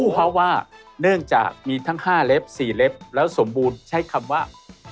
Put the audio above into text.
เพราะว่าเนื่องจากมีทั้ง๕เล็บ๔เล็บแล้วสมบูรณ์ใช้คำว่า